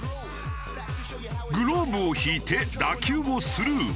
グローブを引いて打球をスルー。